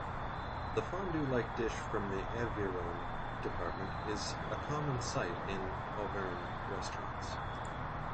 This fondue-like dish from the Aveyron department is a common sight in Auvergne restaurants.